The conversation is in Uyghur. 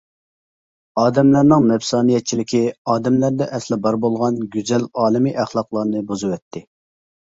ئادەملەرنىڭ نەپسانىيەتچىلىكى ئادەملەردە ئەسلى بار بولغان گۈزەل ئالەمىي ئەخلاقلارنى بۇزۇۋەتتى.